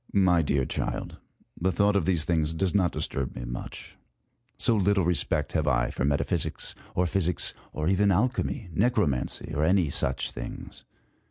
Sicn. My dear child, the thought of these things does not disturb me much ; so little respect have I for meta physics, or physics, or even alchemy, necromancy, or any such things.